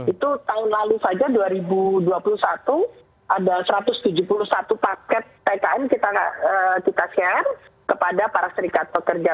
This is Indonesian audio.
itu tahun lalu saja dua ribu dua puluh satu ada satu ratus tujuh puluh satu paket tkn kita share kepada para serikat pekerja